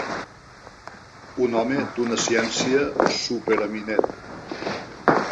Un home d'una ciència supereminent.